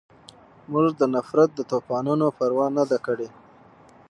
مونږ د نفرت د طوپانونو پروا نه ده کړې